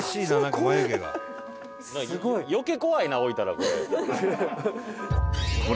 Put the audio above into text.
小田：「余計怖いな置いたら、これ」